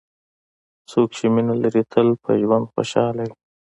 څوک چې مینه لري، تل په ژوند خوشحال وي.